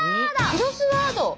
クロスワード？